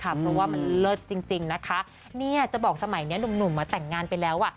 เพราะว่ามันเลิศจริงนะคะเนี่ยจะบอกสมัยนี้หนุ่มมาแต่งงานไปแล้วอ่ะ